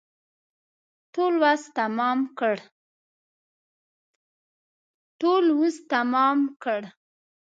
ټول وس تمام کړ.